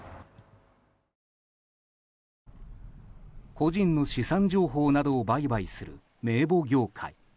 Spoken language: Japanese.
個人の資産情報などを売買する名簿業界。